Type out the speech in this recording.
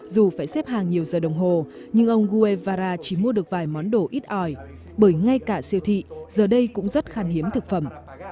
dù phải xếp hàng nhiều giờ đồng hồ nhưng ông guevara chỉ mua được vài món đồ ít ỏi bởi ngay cả siêu thị giờ đây cũng rất khan hiếm thực phẩm